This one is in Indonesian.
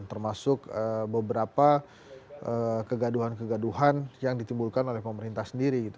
termasuk beberapa kegaduhan kegaduhan yang ditimbulkan oleh pemerintah sendiri gitu